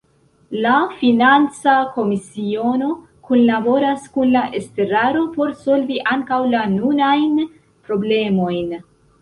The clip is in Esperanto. La financa komisiono kunlaboras kun la estraro por solvi ankaŭ la nunajn problemojn.